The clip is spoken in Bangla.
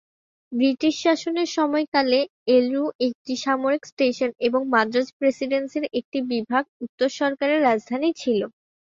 ব্রিটিশ শাসনের সময়কালে এলুরু একটি সামরিক স্টেশন এবং মাদ্রাজ প্রেসিডেন্সির একটি বিভাগ উত্তর সরকারের রাজধানী ছিল।